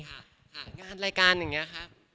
งานรายการอย่างเนี้ยครับ